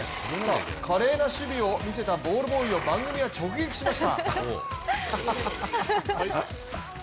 華麗な守備を見せたボールボーイを番組は直撃しました。